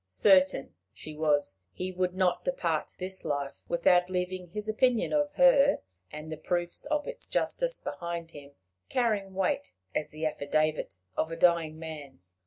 Certain she was he would not depart this life without leaving his opinion of her and the proofs of its justice behind him, carrying weight as the affidavit of a dying man.